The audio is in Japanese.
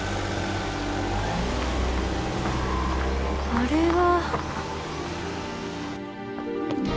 あれは。